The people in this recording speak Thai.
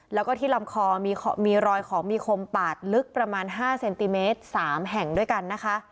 แล้วก็ที่ลำคอมีรอยของมีคมปาดลึกประมาณ๕เซนติเมตร๓แห่งด้วยกันนะคะ